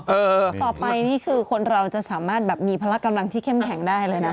ต่อไปนี่คือคนเราจะสามารถแบบมีพละกำลังที่เข้มแข็งได้เลยนะ